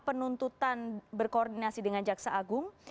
penuntutan berkoordinasi dengan jaksa agung